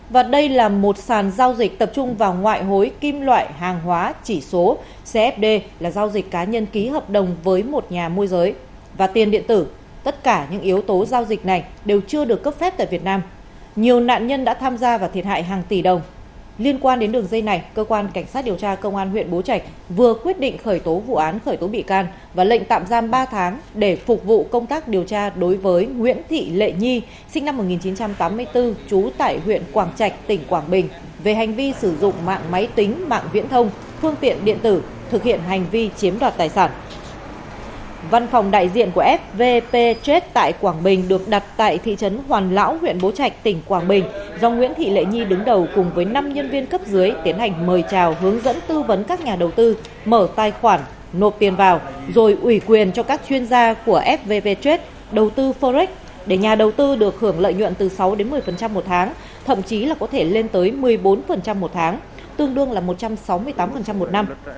văn phòng đại diện của fvp trade tại quảng bình được đặt tại thị trấn hoàn lão huyện bố trạch tỉnh quảng bình do nguyễn thị lệ nhi đứng đầu cùng với năm nhân viên cấp dưới tiến hành mời trào hướng dẫn tư vấn các nhà đầu tư mở tài khoản nộp tiền vào rồi ủy quyền cho các chuyên gia của fvp trade đầu tư forex để nhà đầu tư được hưởng lợi nhuận từ sáu một mươi một tháng thậm chí là có thể lên tới một mươi bốn một tháng tương đương là một trăm sáu mươi tám một năm